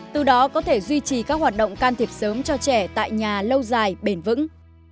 từ đó có thể duy trì các hoạt động can thiệp sớm cho trẻ tại nhà lâu dài bền vững